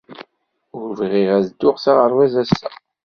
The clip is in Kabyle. Ur bɣiɣ ad dduɣ s aɣerbaz ass-a.